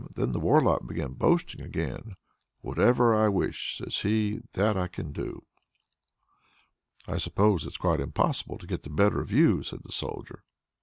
Then the Warlock began boasting again. "Whatever I wish," says he, "that I can do!" "I suppose it's quite impossible to get the better of you?" says the Soldier.